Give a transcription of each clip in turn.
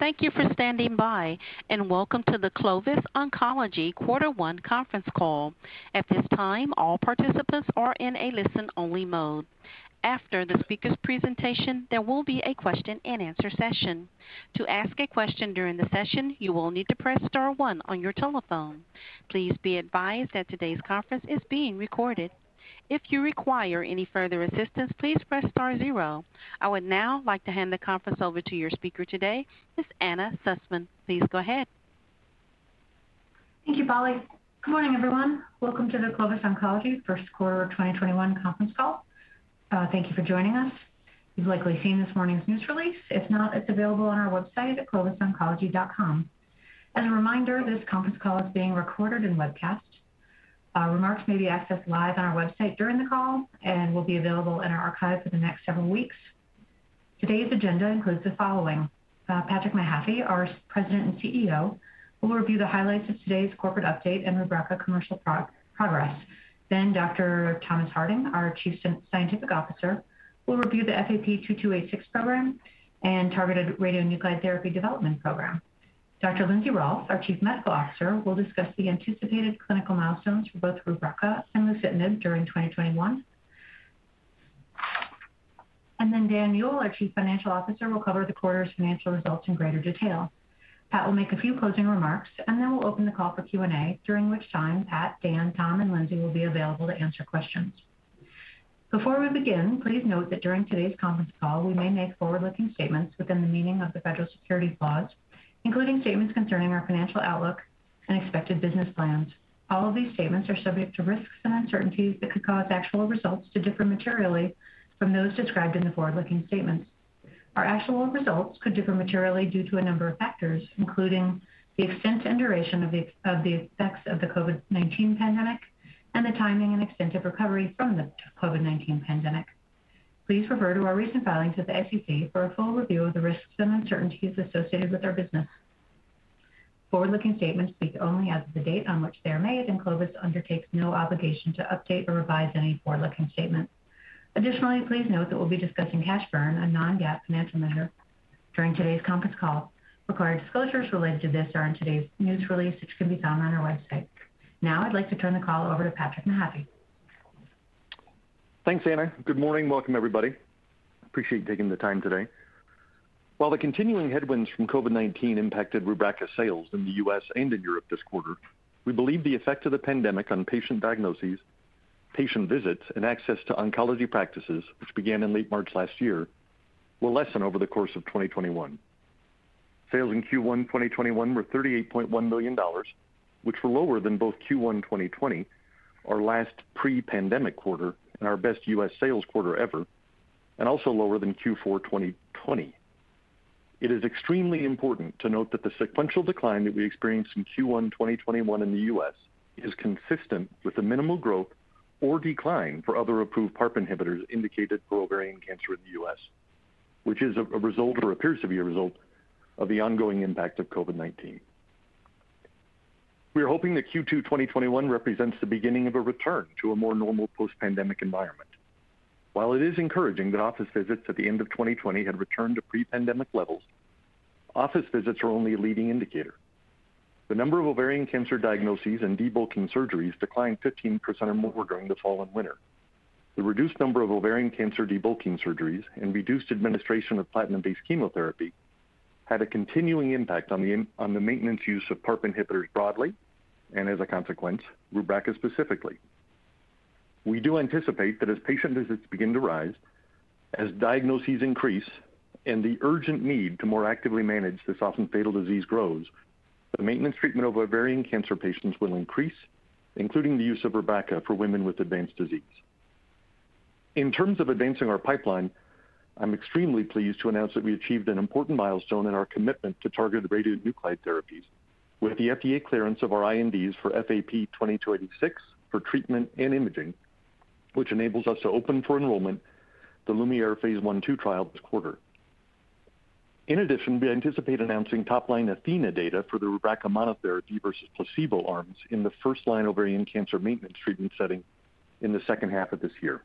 Thank you for standing by, and welcome to the Clovis Oncology quarter one conference call. I would now like to hand the conference over to your speaker today, Ms. Anna Sussman. Please go ahead. Thank you, Polly. Good morning, everyone. Welcome to the Clovis Oncology first quarter 2021 conference call. Thank you for joining us. You've likely seen this morning's news release. If not, it's available on our website at clovisoncology.com. As a reminder, this conference call is being recorded and webcast. Remarks may be accessed live on our website during the call and will be available in our archive for the next several weeks. Today's agenda includes the following. Patrick Mahaffy, our President and CEO, will review the highlights of today's corporate update and Rubraca commercial progress. Dr. Thomas Harding, our Chief Scientific Officer, will review the FAP-2286 program and targeted radionuclide therapy development program. Dr. Lindsey Rolfe, our Chief Medical Officer, will discuss the anticipated clinical milestones for both Rubraca and lucitanib during 2021. Daniel, our Chief Financial Officer, will cover the quarter's financial results in greater detail. Pat will make a few closing remarks, and then we'll open the call for Q&A, during which time Pat, Dan, Tom, and Lindsey will be available to answer questions. Before we begin, please note that during today's conference call, we may make forward-looking statements within the meaning of the federal securities laws, including statements concerning our financial outlook and expected business plans. All of these statements are subject to risks and uncertainties that could cause actual results to differ materially from those described in the forward-looking statements. Our actual results could differ materially due to a number of factors, including the extent and duration of the effects of the COVID-19 pandemic and the timing and extent of recovery from the COVID-19 pandemic. Please refer to our recent filings with the SEC for a full review of the risks and uncertainties associated with our business. Forward-looking statements speak only as of the date on which they are made. Clovis undertakes no obligation to update or revise any forward-looking statements. Additionally, please note that we'll be discussing cash burn, a non-GAAP financial measure, during today's conference call. Required disclosures related to this are in today's news release, which can be found on our website. Now I'd like to turn the call over to Patrick Mahaffy. Thanks, Anna. Good morning. Welcome, everybody. Appreciate you taking the time today. While the continuing headwinds from COVID-19 impacted Rubraca sales in the U.S. and in Europe this quarter, we believe the effect of the pandemic on patient diagnoses, patient visits, and access to oncology practices, which began in late March last year, will lessen over the course of 2021. Sales in Q1 2021 were $38.1 million, which were lower than both Q1 2020, our last pre-pandemic quarter and our best U.S. sales quarter ever, and also lower than Q4 2020. It is extremely important to note that the sequential decline that we experienced in Q1 2021 in the U.S. is consistent with the minimal growth or decline for other approved PARP inhibitors indicated for ovarian cancer in the U.S., which is a result, or appears to be a result, of the ongoing impact of COVID-19. We are hoping that Q2 2021 represents the beginning of a return to a more normal post-pandemic environment. While it is encouraging that office visits at the end of 2020 had returned to pre-pandemic levels, office visits are only a leading indicator. The number of ovarian cancer diagnoses and debulking surgeries declined 15% or more during the fall and winter. The reduced number of ovarian cancer debulking surgeries and reduced administration of platinum-based chemotherapy had a continuing impact on the maintenance use of PARP inhibitors broadly, and as a consequence, Rubraca specifically. We do anticipate that as patient visits begin to rise, as diagnoses increase, and the urgent need to more actively manage this often fatal disease grows, the maintenance treatment of ovarian cancer patients will increase, including the use of Rubraca for women with advanced disease. In terms of advancing our pipeline, I'm extremely pleased to announce that we achieved an important milestone in our commitment to targeted radionuclide therapies with the FDA clearance of our INDs for FAP-2286 for treatment and imaging, which enables us to open for enrollment the LuMIERE phase I/II trial this quarter. In addition, we anticipate announcing top-line ATHENA data for the Rubraca monotherapy versus placebo arms in the first-line ovarian cancer maintenance treatment setting in the second half of this year.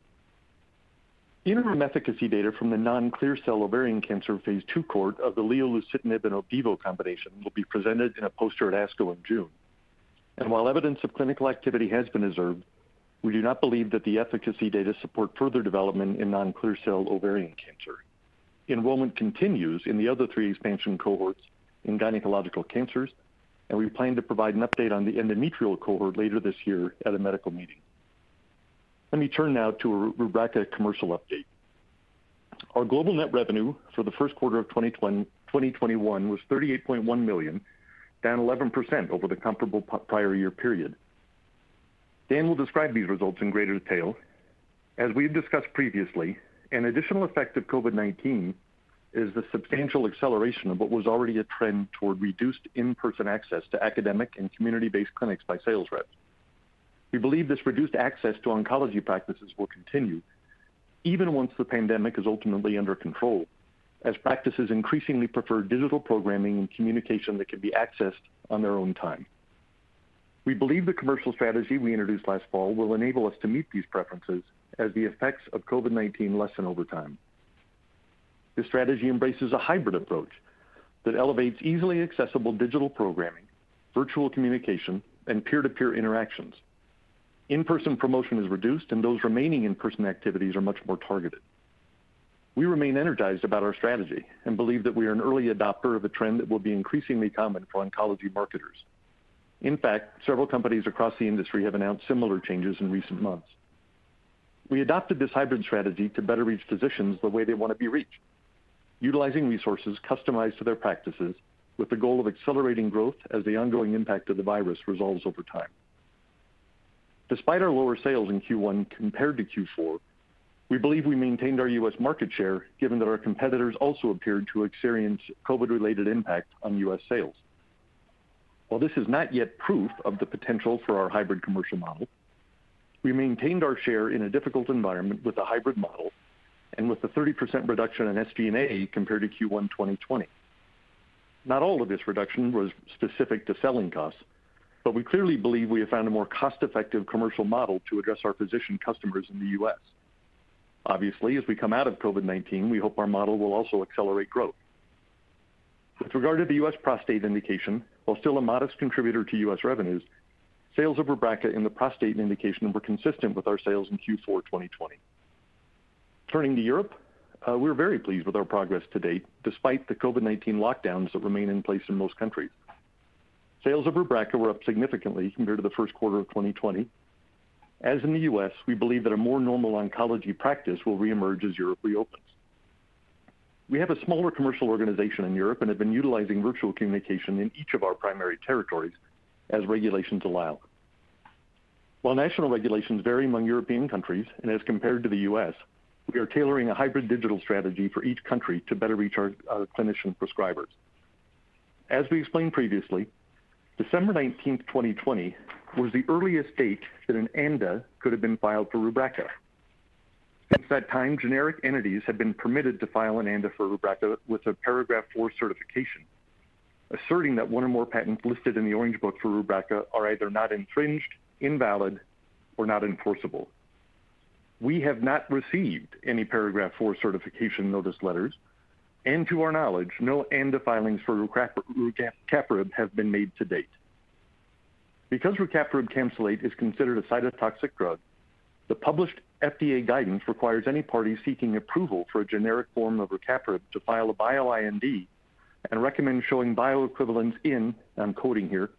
Interim efficacy data from the non-clear cell ovarian cancer phase II cohort of the lucitanib and Opdivo combination will be presented in a poster at ASCO in June. While evidence of clinical activity has been observed, we do not believe that the efficacy data support further development in non-clear cell ovarian cancer. Enrollment continues in the other three expansion cohorts in gynecological cancers. We plan to provide an update on the endometrial cohort later this year at a medical meeting. Let me turn now to a Rubraca commercial update. Our global net revenue for the first quarter of 2021 was $38.1 million, down 11% over the comparable prior year period. Dan will describe these results in greater detail. As we have discussed previously, an additional effect of COVID-19 is the substantial acceleration of what was already a trend toward reduced in-person access to academic and community-based clinics by sales reps. We believe this reduced access to oncology practices will continue even once the pandemic is ultimately under control, as practices increasingly prefer digital programming and communication that can be accessed on their own time. We believe the commercial strategy we introduced last fall will enable us to meet these preferences as the effects of COVID-19 lessen over time. This strategy embraces a hybrid approach that elevates easily accessible digital programming, virtual communication, and peer-to-peer interactions. In-person promotion is reduced, and those remaining in-person activities are much more targeted. We remain energized about our strategy and believe that we are an early adopter of a trend that will be increasingly common for oncology marketers. In fact, several companies across the industry have announced similar changes in recent months. We adopted this hybrid strategy to better reach physicians the way they want to be reached, utilizing resources customized to their practices with the goal of accelerating growth as the ongoing impact of the virus resolves over time. Despite our lower sales in Q1 compared to Q4, we believe we maintained our U.S. market share given that our competitors also appeared to experience COVID-related impact on U.S. sales. While this is not yet proof of the potential for our hybrid commercial model, we maintained our share in a difficult environment with the hybrid model and with the 30% reduction in SG&A compared to Q1 2020. Not all of this reduction was specific to selling costs, but we clearly believe we have found a more cost-effective commercial model to address our physician customers in the U.S. Obviously, as we come out of COVID-19, we hope our model will also accelerate growth. With regard to the U.S. prostate indication, while still a modest contributor to U.S. revenues, sales of Rubraca in the prostate indication were consistent with our sales in Q4 2020. Turning to Europe, we're very pleased with our progress to date, despite the COVID-19 lockdowns that remain in place in most countries. Sales of Rubraca were up significantly compared to the first quarter of 2020. As in the U.S., we believe that a more normal oncology practice will reemerge as Europe reopens. We have a smaller commercial organization in Europe and have been utilizing virtual communication in each of our primary territories as regulations allow. While national regulations vary among European countries and as compared to the U.S., we are tailoring a hybrid digital strategy for each country to better reach our clinician prescribers. As we explained previously, December 19th, 2020, was the earliest date that an ANDA could have been filed for Rubraca. Since that time, generic entities have been permitted to file an ANDA for Rubraca with a Paragraph IV certification, asserting that one or more patents listed in the Orange Book for Rubraca are either not infringed, invalid, or not enforceable. We have not received any Paragraph IV certification notice letters, and to our knowledge, no ANDA filings for rucaparib have been made to date. Because rucaparib camsylate is considered a cytotoxic drug, the published FDA guidance requires any party seeking approval for a generic form of rucaparib to file a Bio-IND and recommend showing bioequivalence in, and I'm quoting here,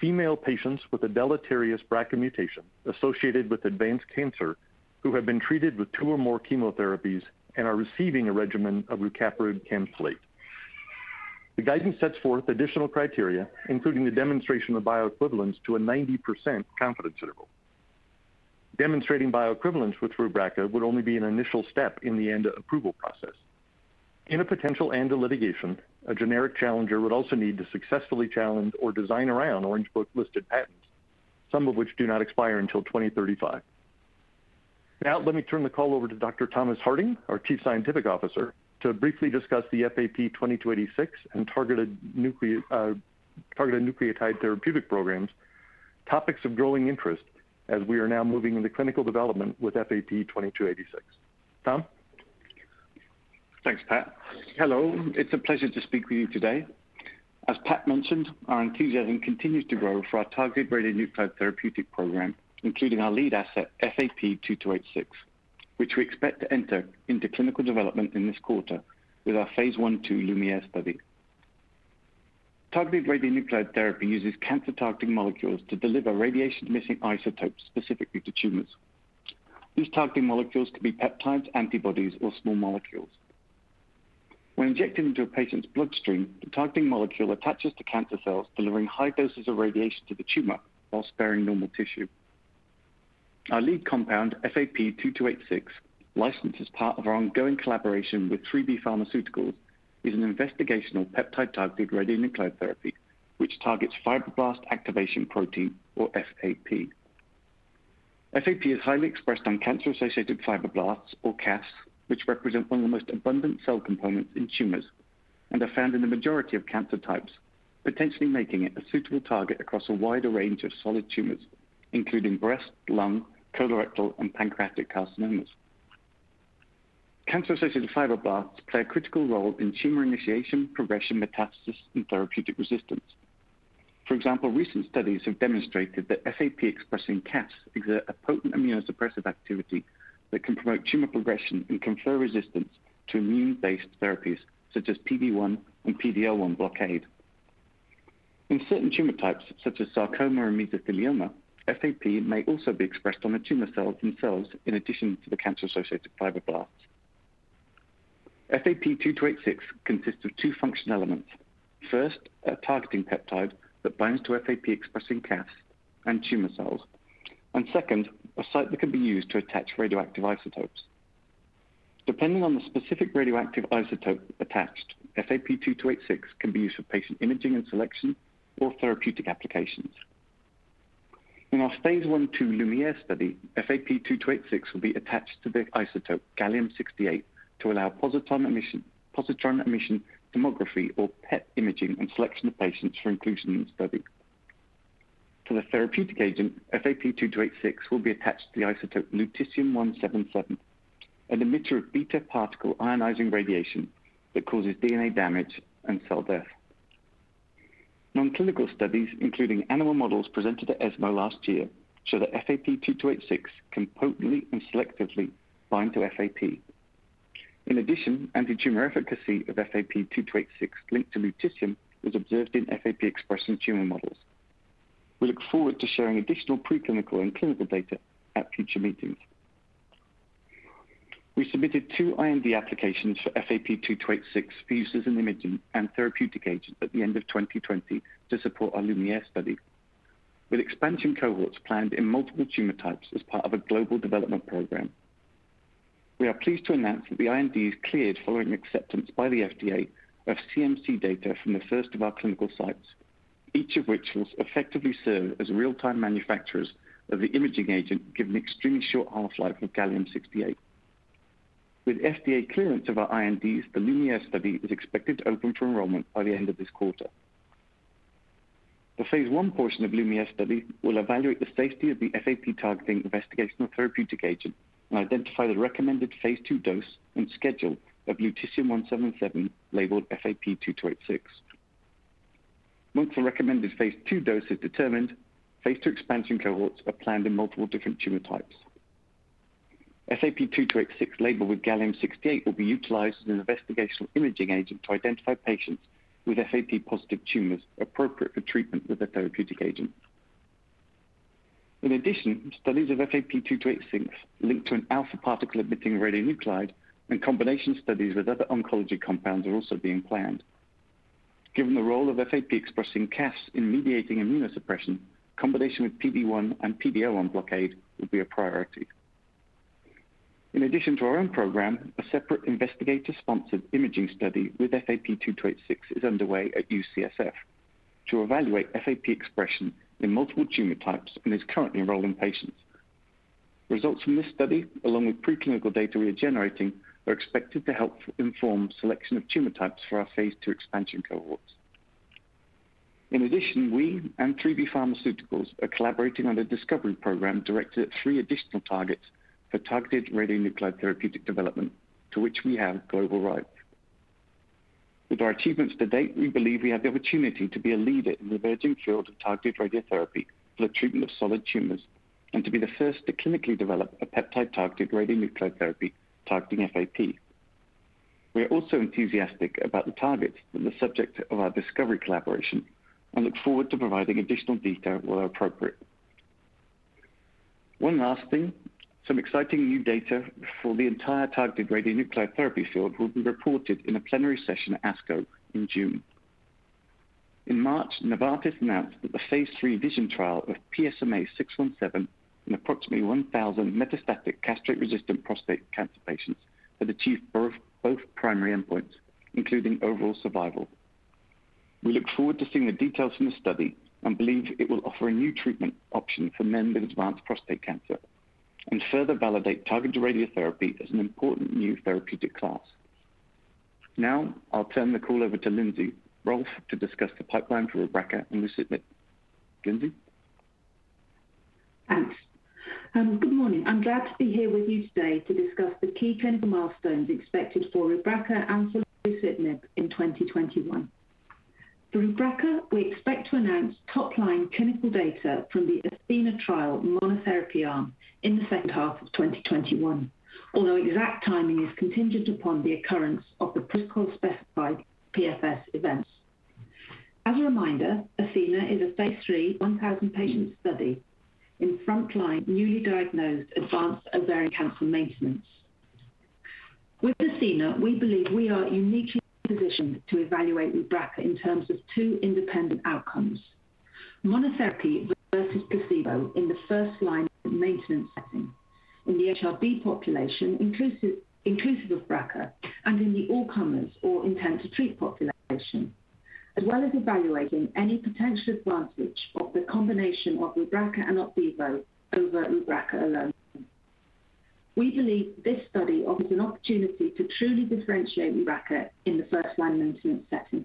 "female patients with a deleterious BRCA mutation associated with advanced cancer who have been treated with two or more chemotherapies and are receiving a regimen of rucaparib camsylate." The guidance sets forth additional criteria, including the demonstration of bioequivalence to a 90% confidence interval. Demonstrating bioequivalence with Rubraca would only be an initial step in the ANDA approval process. In a potential ANDA litigation, a generic challenger would also need to successfully challenge or design around Orange Book-listed patents, some of which do not expire until 2035. Let me turn the call over to Dr. Thomas Harding, our chief scientific officer, to briefly discuss the FAP-2286 and targeted radionuclide therapeutic programs, topics of growing interest as we are now moving into clinical development with FAP-2286. Tom? Thanks, Pat. Hello. It's a pleasure to speak with you today. As Pat mentioned, our enthusiasm continues to grow for our targeted radionuclide therapeutic program, including our lead asset, FAP-2286, which we expect to enter into clinical development in this quarter with our phase I/II LuMIERE study. Targeted radionuclide therapy uses cancer-targeting molecules to deliver radiation-emitting isotopes specifically to tumors. These targeting molecules could be peptides, antibodies, or small molecules. When injected into a patient's bloodstream, the targeting molecule attaches to cancer cells, delivering high doses of radiation to the tumor while sparing normal tissue. Our lead compound, FAP-2286, licensed as part of our ongoing collaboration with 3B Pharmaceuticals, is an investigational peptide targeted radionuclide therapy, which targets fibroblast activation protein, or FAP. FAP is highly expressed on cancer-associated fibroblasts, or CAFs, which represent one of the most abundant cell components in tumors and are found in the majority of cancer types, potentially making it a suitable target across a wider range of solid tumors, including breast, lung, colorectal, and pancreatic carcinomas. Cancer-associated fibroblasts play a critical role in tumor initiation, progression, metastasis, and therapeutic resistance. For example, recent studies have demonstrated that FAP-expressing CAFs exert a potent immunosuppressive activity that can promote tumor progression and confer resistance to immune-based therapies such as PD-1 and PD-L1 blockade. In certain tumor types, such as sarcoma and mesothelioma, FAP may also be expressed on the tumor cells themselves in addition to the cancer-associated fibroblasts. FAP-2286 consists of two function elements. First, a targeting peptide that binds to FAP-expressing CAFs and tumor cells. Second, a site that can be used to attach radioactive isotopes. Depending on the specific radioactive isotope attached, FAP-2286 can be used for patient imaging and selection or therapeutic applications. In our phase I/II LuMIERE study, FAP-2286 will be attached to the isotope gallium-68 to allow positron emission tomography or PET imaging and selection of patients for inclusion in the study. For the therapeutic agent, FAP-2286 will be attached to the isotope lutetium-177, an emitter of beta particle ionizing radiation that causes DNA damage and cell death. Non-clinical studies, including animal models presented at ESMO last year, show that FAP-2286 can potently and selectively bind to FAP. In addition, anti-tumor efficacy of FAP-2286 linked to lutetium was observed in FAP-expressing tumor models. We look forward to sharing additional preclinical and clinical data at future meetings. We submitted two IND applications for FAP-2286 fuses in imaging and therapeutic agents at the end of 2020 to support our LuMIERE study, with expansion cohorts planned in multiple tumor types as part of a global development program. We are pleased to announce that the IND is cleared following acceptance by the FDA of CMC data from the first of our clinical sites, each of which will effectively serve as real-time manufacturers of the imaging agent, given the extremely short half-life of gallium-68. With FDA clearance of our INDs, the LuMIERE study is expected to open to enrollment by the end of this quarter. The phase I portion of LuMIERE study will evaluate the safety of the FAP-targeting investigational therapeutic agent and identify the recommended phase II dose and schedule of lutetium-177 labeled FAP-2286. Once the recommended phase II dose is determined, phase II expansion cohorts are planned in multiple different tumor types. FAP-2286 labeled with gallium-68 will be utilized as an investigational imaging agent to identify patients with FAP-positive tumors appropriate for treatment with a therapeutic agent. In addition, studies of FAP-2286 linked to an alpha particle-emitting radionuclide and combination studies with other oncology compounds are also being planned. Given the role of FAP-expressing CAFs in mediating immunosuppression, combination with PD-1 and PD-L1 blockade will be a priority. In addition to our own program, a separate investigator-sponsored imaging study with FAP-2286 is underway at UCSF to evaluate FAP expression in multiple tumor types and is currently enrolling patients. Results from this study, along with preclinical data we are generating, are expected to help inform selection of tumor types for our phase II expansion cohorts. In addition, we and 3B Pharmaceuticals are collaborating on a discovery program directed at three additional targets for targeted radionuclide therapeutic development to which we have global rights. With our achievements to date, we believe we have the opportunity to be a leader in the emerging field of targeted radiotherapy for the treatment of solid tumors, and to be the first to clinically develop a peptide targeted radionuclide therapy targeting FAP. We are also enthusiastic about the targets and the subject of our discovery collaboration and look forward to providing additional detail where appropriate. One last thing, some exciting new data for the entire targeted radionuclide therapy field will be reported in a plenary session at ASCO in June. In March, Novartis announced that the phase III VISION trial of PSMA-617 in approximately 1,000 metastatic castration-resistant prostate cancer patients had achieved both primary endpoints, including overall survival. We look forward to seeing the details from the study and believe it will offer a new treatment option for men with advanced prostate cancer and further validate targeted radiotherapy as an important new therapeutic class. I'll turn the call over to Lindsey Rolfe to discuss the pipeline for Rubraca and rucaparib. Lindsey? Thanks. Good morning. I'm glad to be here with you today to discuss the key clinical milestones expected for Rubraca and rucaparib in 2021. For Rubraca, we expect to announce top-line clinical data from the ATHENA trial monotherapy arm in the second half of 2021, although exact timing is contingent upon the occurrence of the protocol-specified PFS events. As a reminder, ATHENA is a phase III 1,000-patient study in frontline newly diagnosed advanced ovarian cancer maintenance. With ATHENA, we believe we are uniquely positioned to evaluate Rubraca in terms of two independent outcomes. Monotherapy versus placebo in the first line of maintenance setting in the HRD population, inclusive of BRCA, and in the all-comers or intent-to-treat population, as well as evaluating any potential advantage of the combination of Rubraca and Opdivo over Rubraca alone. We believe this study offers an opportunity to truly differentiate Rubraca in the first-line maintenance setting.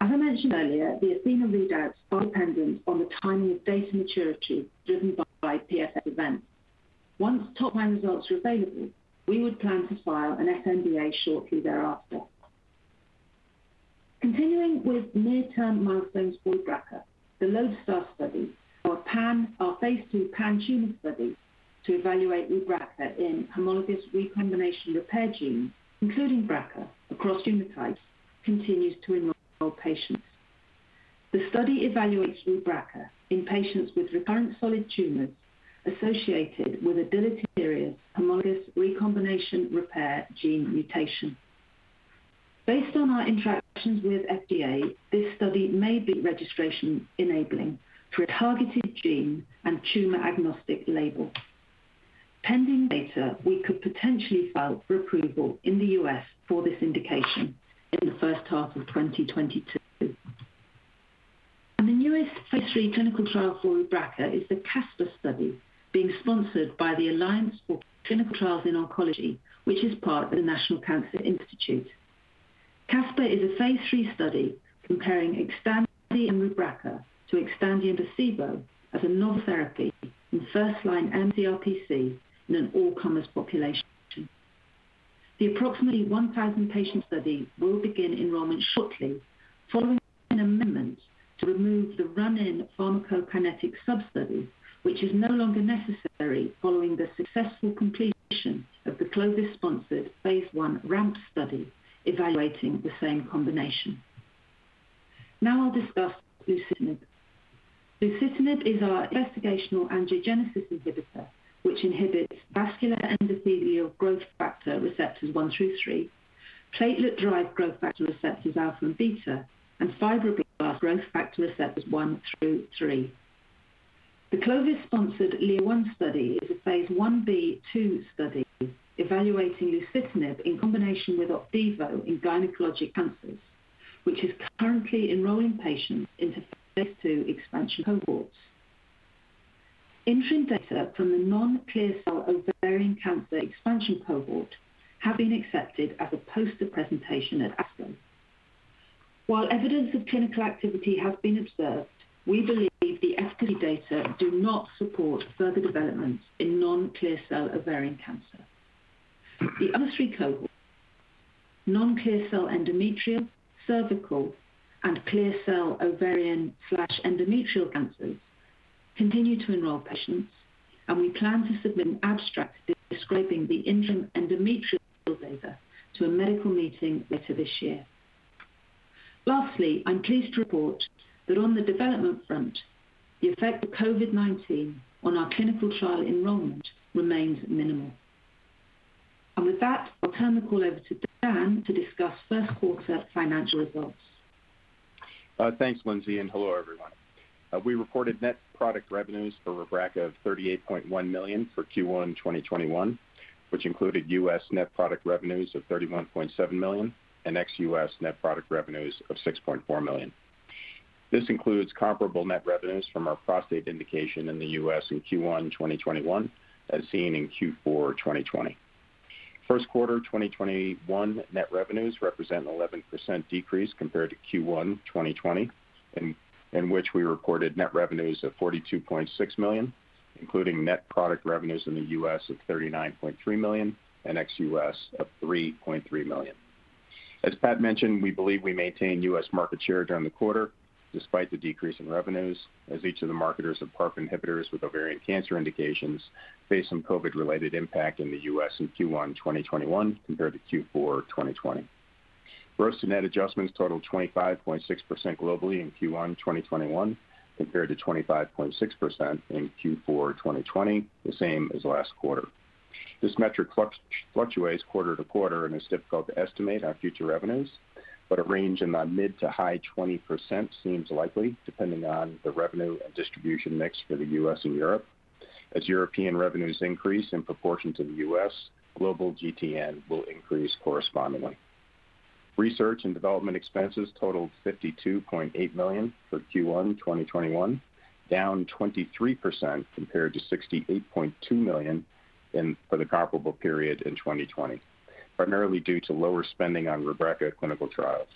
As I mentioned earlier, the ATHENA readouts are dependent on the timing of data maturity driven by PFS events. Once top-line results are available, we would plan to file an sNDA shortly thereafter. Continuing with near-term milestones for Rubraca, the LODESTAR study, our phase II pan-tumor study to evaluate Rubraca in homologous recombination repair genes, including BRCA across tumor types, continues to enroll patients. The study evaluates Rubraca in patients with recurrent solid tumors associated with a deleterious homologous recombination repair gene mutation. Based on our interactions with FDA, this study may be registration-enabling for a targeted gene and tumor-agnostic label. Pending data, we could potentially file for approval in the U.S. for this indication in the first half of 2022. The newest phase III clinical trial for Rubraca is the CASPER study being sponsored by the Alliance for Clinical Trials in Oncology, which is part of the National Cancer Institute. CASPER is a phase III study comparing XTANDI and Rubraca to XTANDI and placebo as a novel therapy in first-line mCRPC in an all-comers population. The approximately 1,000-patient study will begin enrollment shortly following an amendment to remove the run-in pharmacokinetic substudy, which is no longer necessary following the successful completion of the Clovis-sponsored phase I RAMP study evaluating the same combination. Now I'll discuss lucitanib. Lucitanib is our investigational angiogenesis inhibitor, which inhibits vascular endothelial growth factor receptors one through three, platelet-derived growth factor receptors alpha and beta, and fibroblast growth factor receptors one through three. The Clovis-sponsored LIO-1 study is a phase I-B/II study evaluating lucitanib in combination with Opdivo in gynecologic cancers, which is currently enrolling patients into phase II expansion cohorts. Interim data from the non-clear cell ovarian cancer expansion cohort have been accepted as a poster presentation at ASCO. While evidence of clinical activity has been observed, we believe the efficacy data do not support further development in non-clear cell ovarian cancer. The other three cohorts, non-clear cell endometrial, cervical, and clear cell ovarian/endometrial cancers, continue to enroll patients, and we plan to submit an abstract describing the interim endometrial data to a medical meeting later this year. Lastly, I'm pleased to report that on the development front, the effect of COVID-19 on our clinical trial enrollment remains minimal. With that, I'll turn the call over to Dan to discuss first quarter financial results. Thanks, Lindsey, and hello, everyone. We reported net product revenues for Rubraca of $38.1 million for Q1 2021, which included U.S. net product revenues of $31.7 million and ex-U.S. net product revenues of $6.4 million. This includes comparable net revenues from our prostate indication in the U.S. in Q1 2021, as seen in Q4 2020. First quarter 2021 net revenues represent an 11% decrease compared to Q1 2020, in which we recorded net revenues of $42.6 million, including net product revenues in the U.S. of $39.3 million and ex-U.S. of $3.3 million. As Pat mentioned, we believe we maintained U.S. market share during the quarter despite the decrease in revenues, as each of the marketers of PARP inhibitors with ovarian cancer indications faced some COVID-related impact in the U.S. in Q1 2021 compared to Q4 2020. Gross and net adjustments totaled 25.6% globally in Q1 2021 compared to 25.6% in Q4 2020, the same as last quarter. This metric fluctuates quarter to quarter and is difficult to estimate our future revenues, but a range in the mid to high 20% seems likely depending on the revenue and distribution mix for the U.S. and Europe. As European revenues increase in proportion to the U.S., global GTN will increase correspondingly. Research and development expenses totaled $52.8 million for Q1 2021, down 23% compared to $68.2 million for the comparable period in 2020, primarily due to lower spending on Rubraca clinical trials.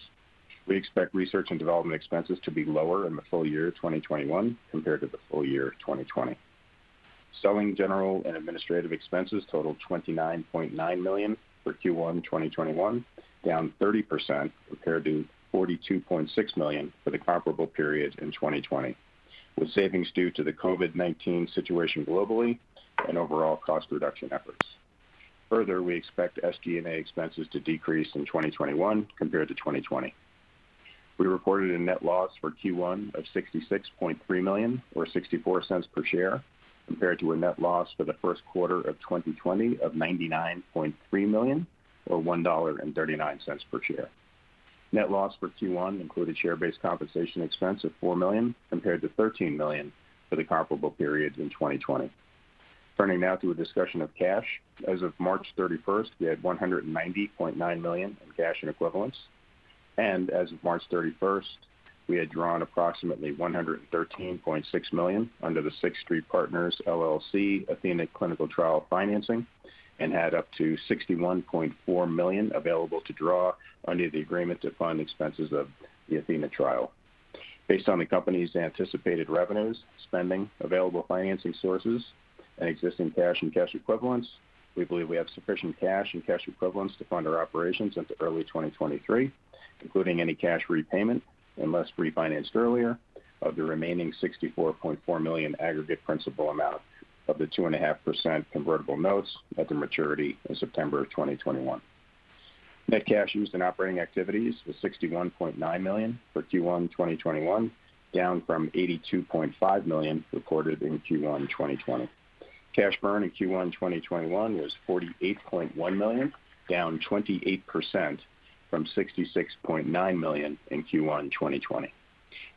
We expect research and development expenses to be lower in the full year 2021 compared to the full year 2020. Selling, general, and administrative expenses totaled $29.9 million for Q1 2021, down 30% compared to $42.6 million for the comparable period in 2020, with savings due to the COVID-19 situation globally and overall cost reduction efforts. Further, we expect SG&A expenses to decrease in 2021 compared to 2020. We reported a net loss for Q1 of $66.3 million or $0.64 per share compared to a net loss for the first quarter of 2020 of $99.3 million or $1.39 per share. Net loss for Q1 included share-based compensation expense of $4 million compared to $13 million for the comparable period in 2020. Turning now to a discussion of cash. As of March 31st, we had $190.9 million in cash and equivalents. As of March 31st, we had drawn approximately $113.6 million under the Sixth Street Partners, LLC ATHENA clinical trial financing and had up to $61.4 million available to draw under the agreement to fund expenses of the ATHENA trial. Based on the company's anticipated revenues, spending, available financing sources, and existing cash and cash equivalents, we believe we have sufficient cash and cash equivalents to fund our operations into early 2023, including any cash repayment, unless refinanced earlier, of the remaining $64.4 million aggregate principal amount of the 2.5% convertible notes at their maturity in September of 2021. Net cash used in operating activities was $61.9 million for Q1 2021, down from $82.5 million recorded in Q1 2020. Cash burn in Q1 2021 was $48.1 million, down 28% from $66.9 million in Q1 2020.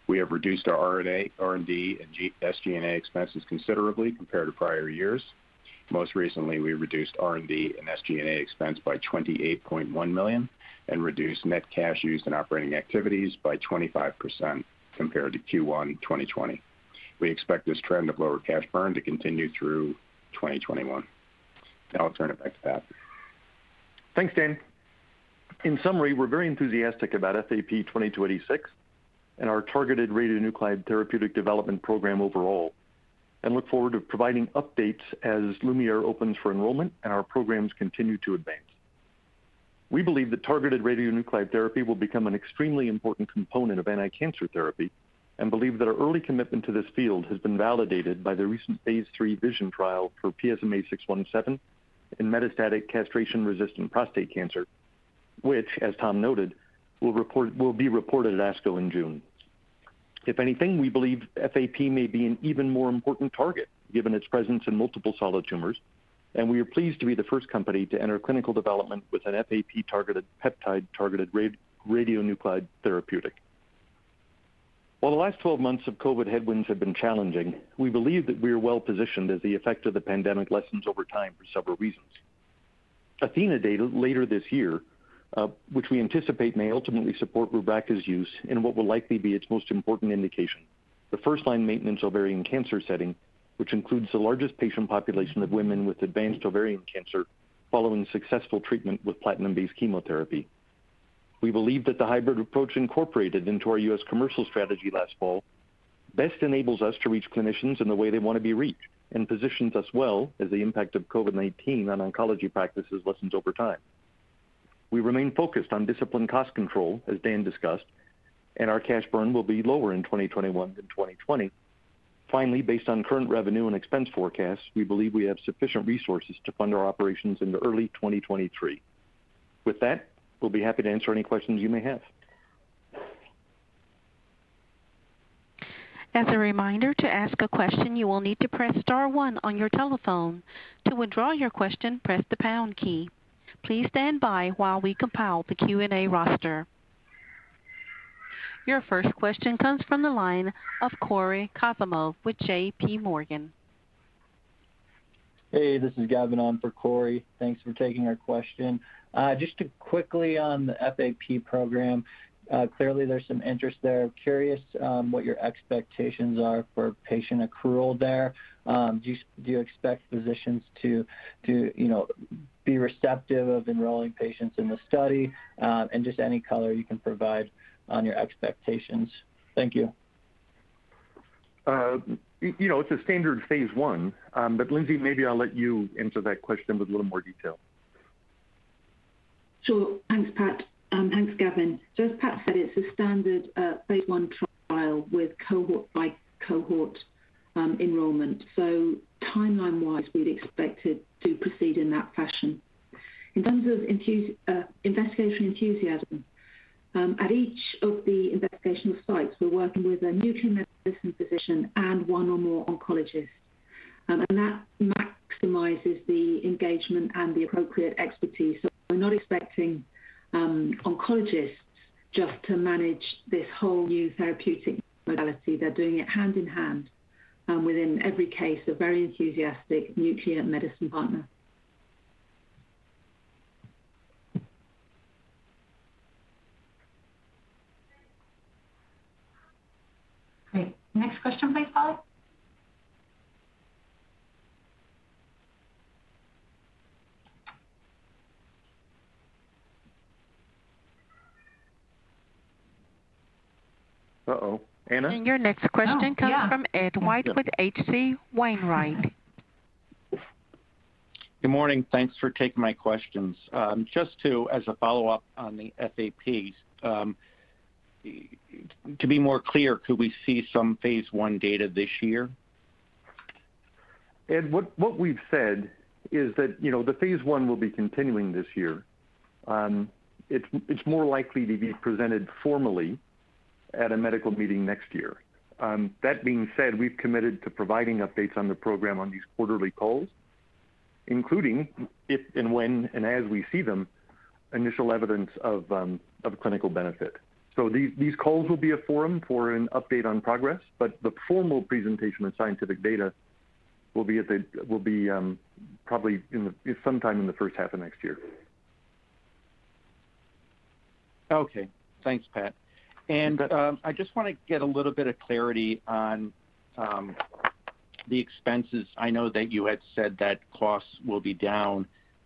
We have reduced our R&D and SG&A expenses considerably compared to prior years. Most recently, we reduced R&D and SG&A expense by $28.1 million and reduced net cash used in operating activities by 25% compared to Q1 2020. We expect this trend of lower cash burn to continue through 2021. I'll turn it back to Pat. Thanks, Dan. In summary, we're very enthusiastic about FAP-2286 and our targeted radionuclide therapeutic development program overall, and look forward to providing updates as LuMIERE opens for enrollment and our programs continue to advance. We believe that targeted radionuclide therapy will become an extremely important component of anti-cancer therapy and believe that our early commitment to this field has been validated by the recent phase III VISION trial for PSMA 617 in metastatic castration-resistant prostate cancer, which, as Tom noted, will be reported at ASCO in June. If anything, we believe FAP may be an even more important target given its presence in multiple solid tumors, and we are pleased to be the first company to enter clinical development with an FAP-targeted peptide targeted radionuclide therapeutic. While the last 12 months of COVID headwinds have been challenging, we believe that we are well-positioned as the effect of the pandemic lessens over time for several reasons. ATHENA data later this year, which we anticipate may ultimately support Rubraca's use in what will likely be its most important indication, the first-line maintenance ovarian cancer setting, which includes the largest patient population of women with advanced ovarian cancer following successful treatment with platinum-based chemotherapy. We believe that the hybrid approach incorporated into our U.S. commercial strategy last fall best enables us to reach clinicians in the way they want to be reached and positions us well as the impact of COVID-19 on oncology practices lessens over time. We remain focused on disciplined cost control, as Dan discussed, and our cash burn will be lower in 2021 than 2020. Based on current revenue and expense forecasts, we believe we have sufficient resources to fund our operations into early 2023. With that, we'll be happy to answer any questions you may have. Your first question comes from the line of Cory Kasimov with J.P. Morgan. Hey, this is Gavin on for Cory. Thanks for taking our question. Just quickly on the FAP program, clearly there's some interest there. Curious what your expectations are for patient accrual there. Do you expect physicians to be receptive of enrolling patients in the study? Just any color you can provide on your expectations. Thank you. It's a standard phase I. Lindsey, maybe I'll let you answer that question with a little more detail. Sure. Thanks, Pat. Thanks, Gavin. As Pat said, it's a standard phase I trial with cohort by cohort enrollment. Timeline-wise, we'd expect it to proceed in that fashion. In terms of investigation enthusiasm, at each of the investigational sites, we're working with a nuclear medicine physician and one or more oncologists, and that maximizes the engagement and the appropriate expertise. We're not expecting oncologists just to manage this whole new therapeutic modality. They're doing it hand-in-hand within every case, a very enthusiastic nuclear medicine partner. Great. Next question, please, Paul. Uh-oh. Anna? Your next question comes from Ed White with H.C. Wainwright. Good morning. Thanks for taking my questions. Just as a follow-up on the FAPs, to be more clear, could we see some phase I data this year? Ed, what we've said is that the phase I will be continuing this year. It's more likely to be presented formally at a medical meeting next year. That being said, we've committed to providing updates on the program on these quarterly calls, including if and when and as we see them, initial evidence of clinical benefit. These calls will be a forum for an update on progress, but the formal presentation of scientific data will be probably sometime in the first half of next year. Okay. Thanks, Pat. I just want to get a little bit of clarity on the expenses. I know that you had said that costs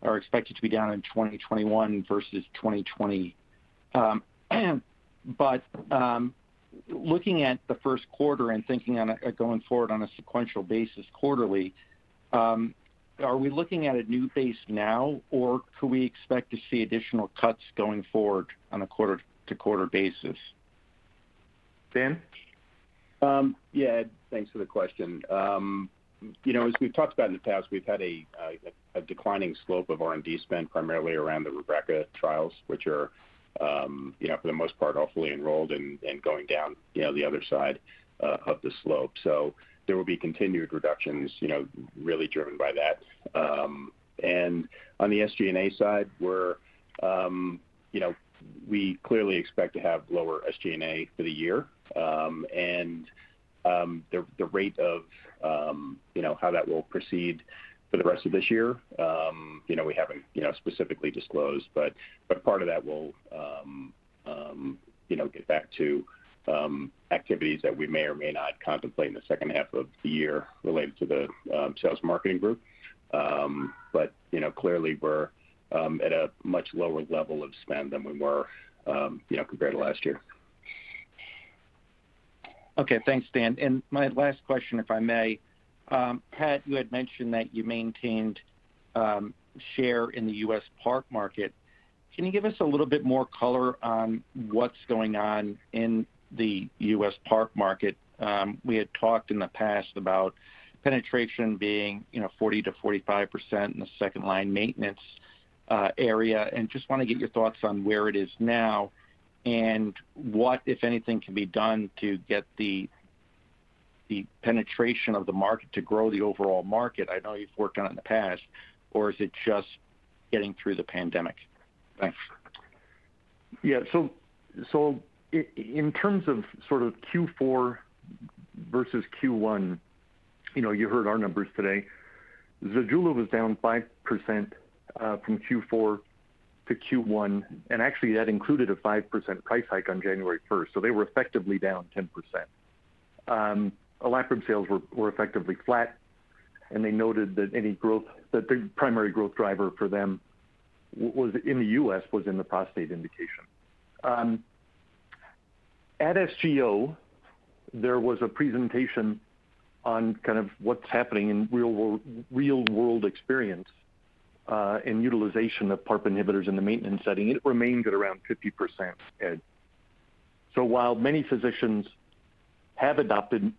are expected to be down in 2021 versus 2020. Looking at the first quarter and thinking going forward on a sequential basis quarterly, are we looking at a new base now, or could we expect to see additional cuts going forward on a quarter-to-quarter basis? Dan? Ed, thanks for the question. As we've talked about in the past, we've had a declining slope of R&D spend primarily around the Rubraca trials, which are, for the most part, all fully enrolled and going down the other side of the slope. There will be continued reductions really driven by that. On the SG&A side, We clearly expect to have lower SG&A for the year. The rate of how that will proceed for the rest of this year, we haven't specifically disclosed, but part of that will get back to activities that we may or may not contemplate in the second half of the year related to the sales marketing group. Clearly, we're at a much lower level of spend than we were compared to last year. Okay. Thanks, Dan. My last question, if I may. Pat, you had mentioned that you maintained share in the U.S. PARP market. Can you give us a little bit more color on what's going on in the U.S. PARP market? We had talked in the past about penetration being 40%-45% in the second-line maintenance area, and just want to get your thoughts on where it is now and what, if anything, can be done to get the penetration of the market to grow the overall market. I know you've worked on it in the past, or is it just getting through the pandemic? Thanks. Yeah. In terms of Q4 versus Q1, you've heard our numbers today. ZEJULA was down 5% from Q4 to Q1, actually that included a 5% price hike on January 1st, they were effectively down 10%. Olaparib sales were effectively flat, they noted that the primary growth driver for them in the U.S. was in the prostate indication. At SGO, there was a presentation on what's happening in real-world experience in utilization of PARP inhibitors in the maintenance setting. It remained at around 50%, Ed. While many physicians have adopted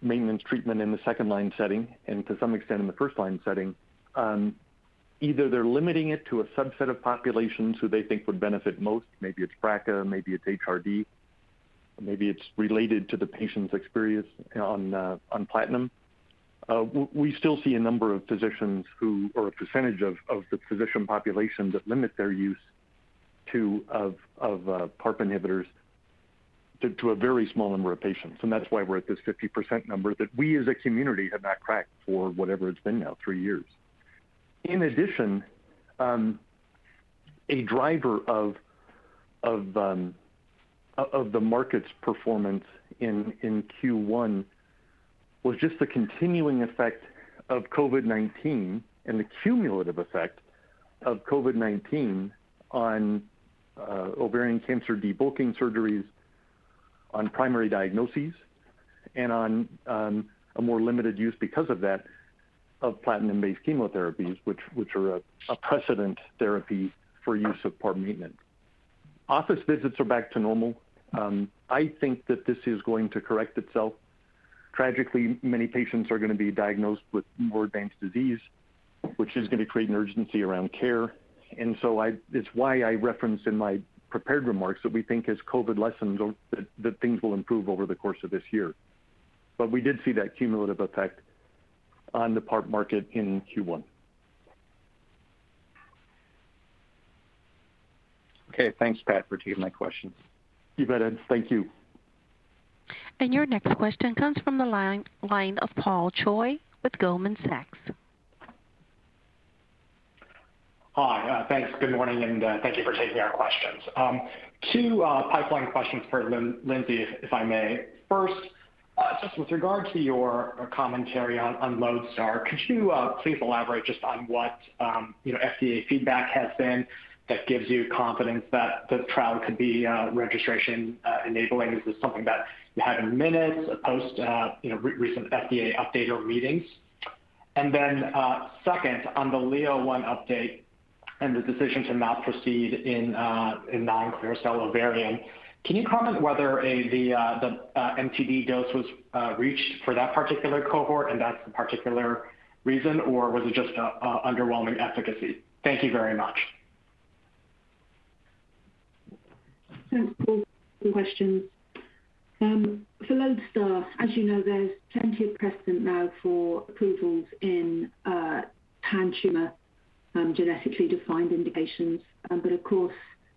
maintenance treatment in the second-line setting, and to some extent in the first-line setting, either they're limiting it to a subset of populations who they think would benefit most, maybe it's BRCA, maybe it's HRD, maybe it's related to the patient's experience on platinum. We still see a number of physicians who, or a percentage of the physician population that limit their use of PARP inhibitors to a very small number of patients. That's why we're at this 50% number that we, as a community, have not cracked for whatever it's been now, three years. In addition, a driver of the market's performance in Q1 was just the continuing effect of COVID-19 and the cumulative effect of COVID-19 on ovarian cancer debulking surgeries, on primary diagnoses, and on a more limited use because of that, of platinum-based chemotherapies, which are a precedent therapy for use of PARP maintenance. Office visits are back to normal. I think that this is going to correct itself. Tragically, many patients are going to be diagnosed with more advanced disease, which is going to create an urgency around care. It's why I referenced in my prepared remarks that we think as COVID lessens, that things will improve over the course of this year. We did see that cumulative effect on the PARP market in Q1. Okay. Thanks, Pat, for taking my questions. You bet, Ed. Thank you. Your next question comes from the line of Paul Choi with Goldman Sachs. Hi. Thanks. Good morning, and thank you for taking our questions. Two pipeline questions for Lindsey, if I may. First, just with regard to your commentary on LODESTAR, could you please elaborate just on what FDA feedback has been that gives you confidence that the trial could be registration enabling? Is this something that you have in minutes post recent FDA update or meetings? Second, on the LIO-1 update and the decision to not proceed in non-clear cell ovarian, can you comment whether the MTD dose was reached for that particular cohort and that's the particular reason, or was it just a underwhelming efficacy? Thank you very much. Thanks, Paul, for the questions. For LODESTAR, as you know, there's plenty of precedent now for approvals in pan-tumor genetically defined indications. Of course,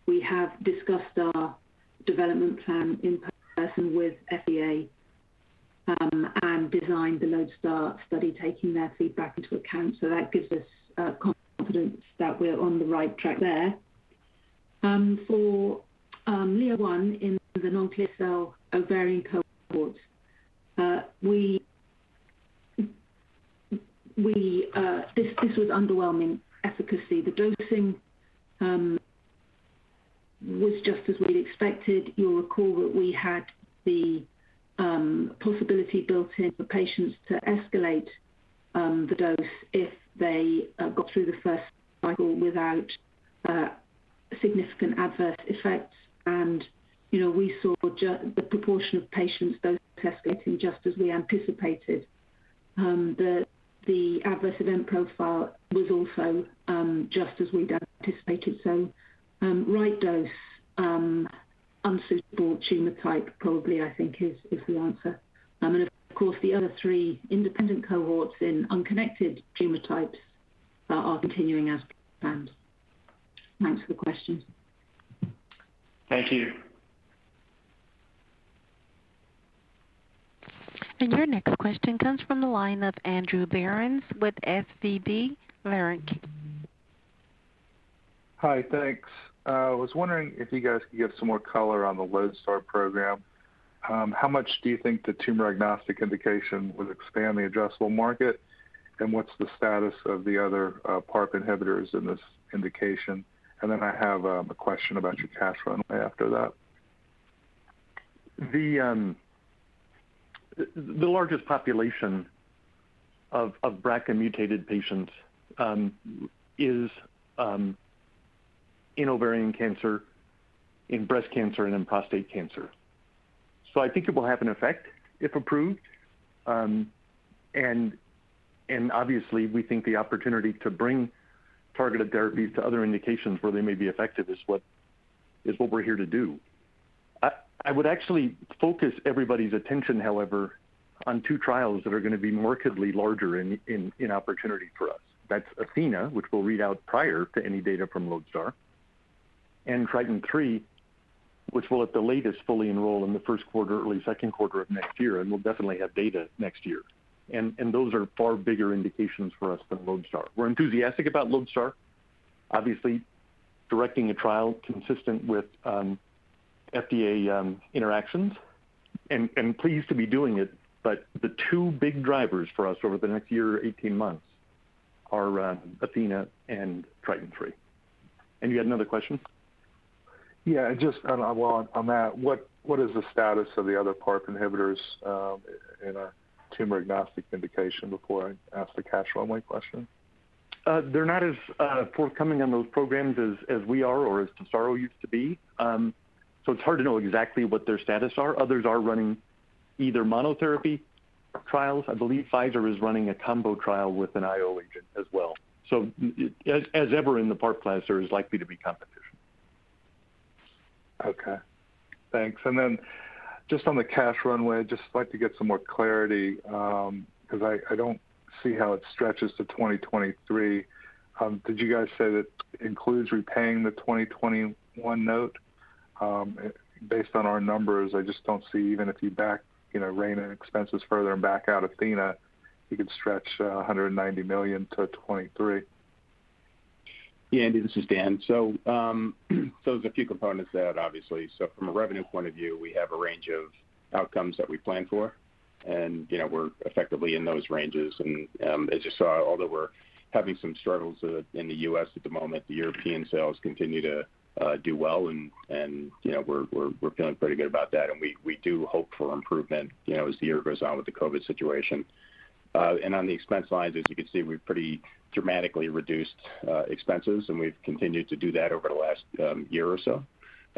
we have discussed our development plan in person with FDA and designed the LODESTAR study taking their feedback into account. That gives us confidence that we're on the right track there. For LIO-1 in the non-clear cell ovarian cohort, this was underwhelming efficacy. The dosing was just as we'd expected. You'll recall that we had the possibility built in for patients to escalate the dose if they got through the first cycle without significant adverse effects. We saw the proportion of patients both escalating just as we anticipated. The adverse event profile was also just as we'd anticipated. Right dose. Unsuitable tumor type probably, I think is the answer. Of course, the other three independent cohorts in unconnected tumor types are continuing as planned. Thanks for the question. Thank you. Your next question comes from the line of Andrew Berens with SVB Leerink. Hi, thanks. I was wondering if you guys could give some more color on the LODESTAR program. How much do you think the tumor-agnostic indication would expand the addressable market, and what's the status of the other PARP inhibitors in this indication? I have a question about your cash runway after that. The largest population of BRCA-mutated patients is in ovarian cancer, in breast cancer, and in prostate cancer. I think it will have an effect if approved. Obviously we think the opportunity to bring targeted therapies to other indications where they may be effective is what we're here to do. I would actually focus everybody's attention, however, on two trials that are going to be markedly larger in opportunity for us. That's ATHENA, which we'll read out prior to any data from LODESTAR, and TRITON3, which will at the latest fully enroll in the first quarter, early second quarter of next year, and we'll definitely have data next year. Those are far bigger indications for us than LODESTAR. We're enthusiastic about LODESTAR, obviously directing a trial consistent with FDA interactions, and pleased to be doing it. The two big drivers for us over the next year or 18 months are ATHENA and TRITON3. You had another question? Yeah, just on that, what is the status of the other PARP inhibitors in a tumor-agnostic indication before I ask the cash runway question? They're not as forthcoming on those programs as we are or as Tesaro used to be. It's hard to know exactly what their status are. Others are running either monotherapy trials. I believe Pfizer is running a combo trial with an IO agent as well. As ever in the PARP class, there is likely to be competition. Okay. Thanks. Just on the cash runway, I'd just like to get some more clarity, because I don't see how it stretches to 2023. Did you guys say that includes repaying the 2021 note? Based on our numbers, I just don't see even if you back R&D expenses further and back out ATHENA, you could stretch $190 million to 2023. Andy, this is Dan. There's a few components to that, obviously. From a revenue point of view, we have a range of outcomes that we plan for, and we're effectively in those ranges. As you saw, although we're having some struggles in the U.S. at the moment, the European sales continue to do well, and we're feeling pretty good about that, and we do hope for improvement as the year goes on with the COVID situation. On the expense lines, as you can see, we've pretty dramatically reduced expenses, and we've continued to do that over the last year or so.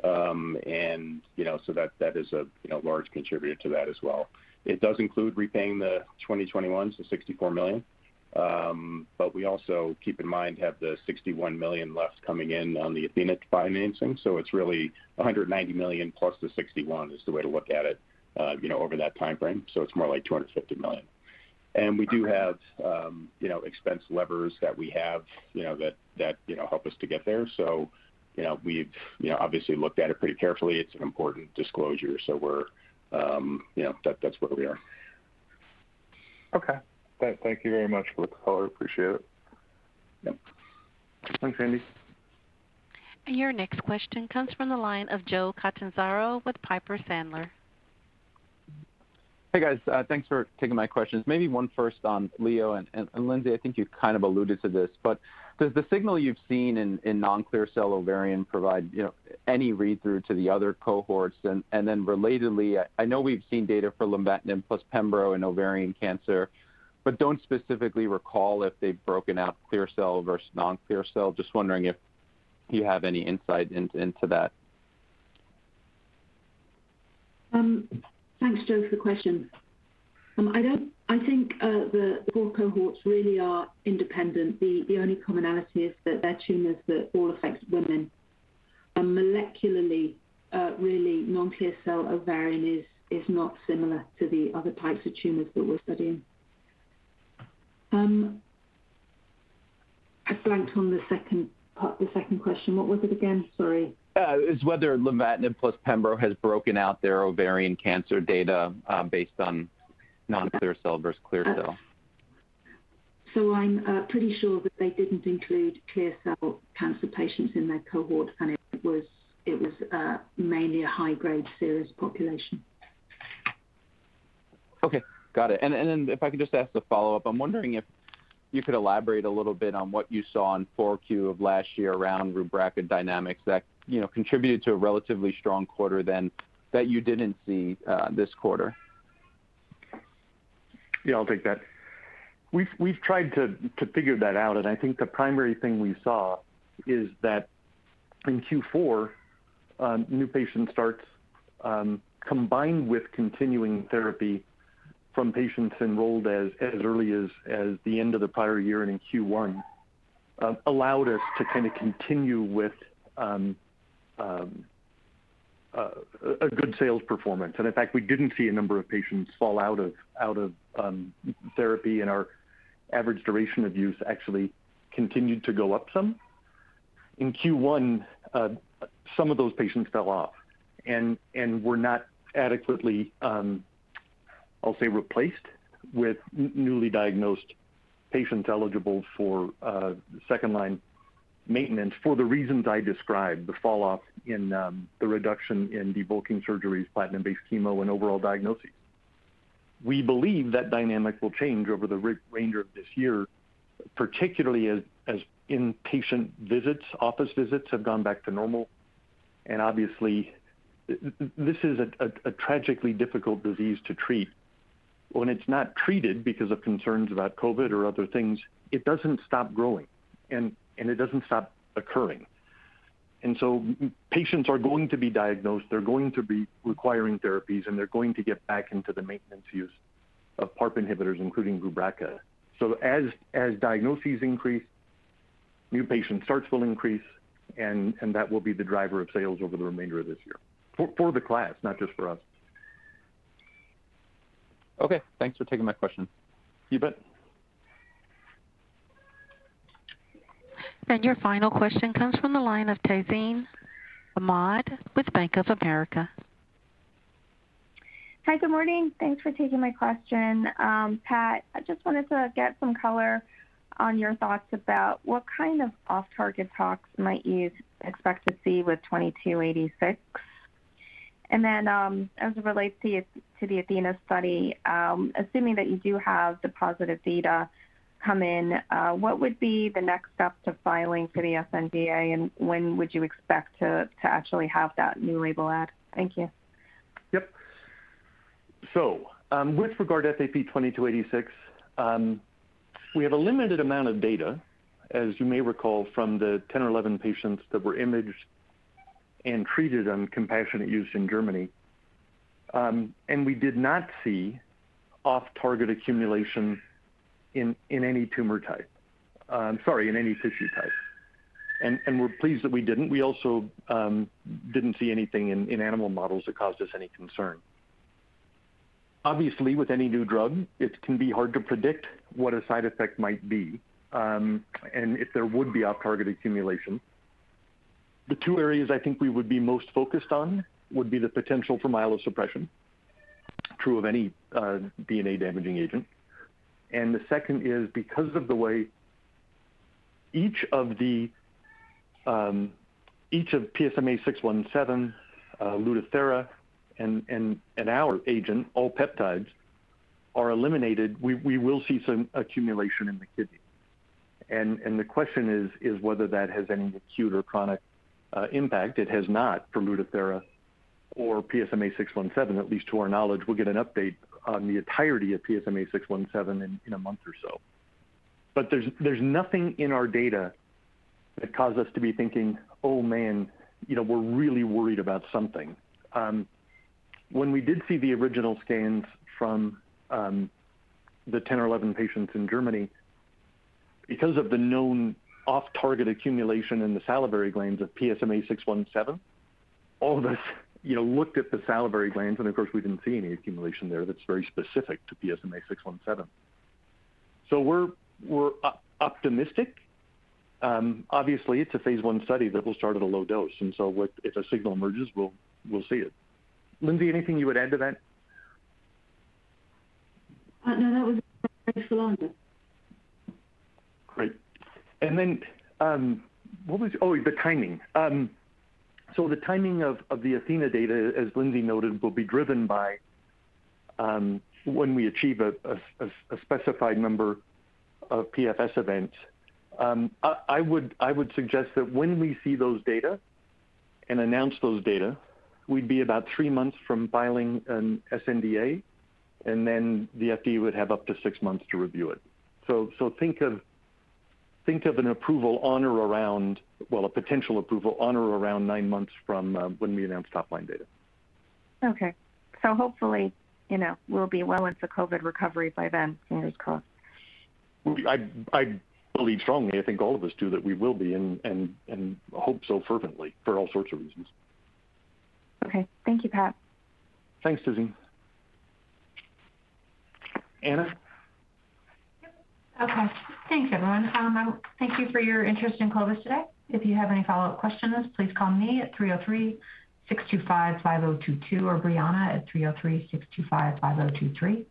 That is a large contributor to that as well. It does include repaying the 2021, so $64 million. We also, keep in mind, have the $61 million left coming in on the ATHENA financing. It's really $190 million plus the $61 is the way to look at it over that timeframe. It's more like $250 million. We do have expense levers that we have that help us to get there. We've obviously looked at it pretty carefully. It's an important disclosure, so that's where we are. Okay. Thank you very much for the color. Appreciate it. Yep. Thanks, Andy. Your next question comes from the line of Joe Catanzaro with Piper Sandler. Hey, guys. Thanks for taking my questions. Maybe one first on LEAP and Lindsey, I think you kind of alluded to this, but does the signal you've seen in non-clear cell ovarian provide any read-through to the other cohorts? Relatedly, I know we've seen data for lenvatinib plus pembrolizumab in ovarian cancer, but don't specifically recall if they've broken out clear cell versus non-clear cell. Just wondering if you have any insight into that. Thanks, Joe, for the question. I think the four cohorts really are independent. The only commonality is that they're tumors that all affect women, and molecularly, really non-clear cell ovarian is not similar to the other types of tumors that we're studying. I blanked on the second part, the second question. What was it again? Sorry. It's whether lenvatinib plus pembrolizumab has broken out their ovarian cancer data based on non-clear cell versus clear cell. I'm pretty sure that they didn't include clear cell cancer patients in their cohort, and it was mainly a high-grade serous population. Okay. Got it. If I could just ask a follow-up, I'm wondering if you could elaborate a little bit on what you saw in 4Q of last year around Rubraca dynamics that contributed to a relatively strong quarter then that you didn't see this quarter? Yeah, I'll take that. We've tried to figure that out. I think the primary thing we saw is that in Q4, new patient starts combined with continuing therapy from patients enrolled as early as the end of the prior year and in Q1 allowed us to continue with a good sales performance. In fact, we didn't see a number of patients fall out of therapy, and our average duration of use actually continued to go up some. In Q1, some of those patients fell off and were not adequately, I'll say, replaced with newly diagnosed patients eligible for second-line maintenance for the reasons I described, the fall-off in the reduction in debulking surgeries, platinum-based chemo, and overall diagnoses. We believe that dynamic will change over the remainder of this year, particularly as inpatient visits, office visits, have gone back to normal. Obviously, this is a tragically difficult disease to treat. When it's not treated because of concerns about COVID or other things, it doesn't stop growing, and it doesn't stop occurring. Patients are going to be diagnosed, they're going to be requiring therapies, and they're going to get back into the maintenance use of PARP inhibitors, including Rubraca. As diagnoses increase, new patient starts will increase, and that will be the driver of sales over the remainder of this year, for the class, not just for us. Okay. Thanks for taking my question. You bet. Your final question comes from the line of Tazeen Ahmad with Bank of America. Hi, good morning. Thanks for taking my question. Pat, I just wanted to get some color on your thoughts about what kind of off-target tox might you expect to see with 2286. As it relates to the ATHENA study, assuming that you do have the positive data come in, what would be the next step to filing for the sNDA, and when would you expect to actually have that new label add? Thank you. Yep. With regard to FAP-2286, we have a limited amount of data, as you may recall, from the 10 or 11 patients that were imaged and treated on compassionate use in Germany. We did not see off-target accumulation in any tumor type. I'm sorry, in any tissue type. We're pleased that we didn't. We also didn't see anything in animal models that caused us any concern. Obviously, with any new drug, it can be hard to predict what a side effect might be, and if there would be off-target accumulation. The two areas I think we would be most focused on would be the potential for myelosuppression, true of any DNA-damaging agent. The second is because of the way each of PSMA-617, LUTATHERA, and our agent, all peptides, are eliminated, we will see some accumulation in the kidney. The question is whether that has any acute or chronic impact. It has not for LUTATHERA or PSMA 617, at least to our knowledge. We'll get an update on the entirety of PSMA 617 in a month or so. There's nothing in our data that caused us to be thinking, "Oh, man, we're really worried about something." When we did see the original scans from the 10 or 11 patients in Germany, because of the known off-target accumulation in the salivary glands of PSMA 617, all of us looked at the salivary glands, and of course, we didn't see any accumulation there that's very specific to PSMA 617. We're optimistic. Obviously, it's a phase I study that will start at a low dose, and so if a signal emerges, we'll see it. Lindsey, anything you would add to that? No, that was it. Thanks a lot. Great. Then, the timing. The timing of the ATHENA data, as Lindsey noted, will be driven by when we achieve a specified number of PFS events. I would suggest that when we see those data and announce those data, we'd be about three months from filing an sNDA, and then the FDA would have up to six months to review it. Think of a potential approval on or around nine months from when we announce top-line data. Okay. Hopefully, we'll be well into COVID recovery by then, fingers crossed. I believe strongly, I think all of us do, that we will be, and hope so fervently for all sorts of reasons. Okay. Thank you, Pat. Thanks, Tazeen. Anna? Yep. Okay. Thanks, everyone. Thank you for your interest in Clovis today. If you have any follow-up questions, please call me at 303-625-5022 or Brianna at 303-625-5023.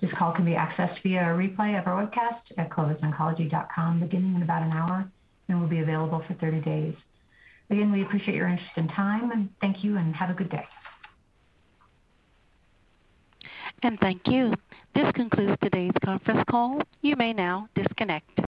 This call can be accessed via a replay of our webcast at clovisoncology.com beginning in about an hour, and will be available for 30 days. Again, we appreciate your interest and time, and thank you, and have a good day. Thank you. This concludes today's conference call. You may now disconnect.